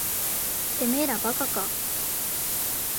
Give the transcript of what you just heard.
てめえら馬鹿か。